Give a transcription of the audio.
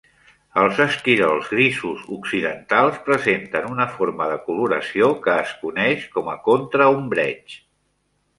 Els esquirols grisos occidentals presenten una forma de coloració que es coneix com a contraombreig.